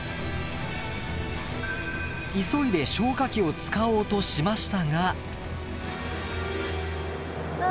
急いで消火器を使おうとしましたが。